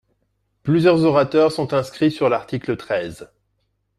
Plusieurs orateurs sont inscrits sur l’article treize.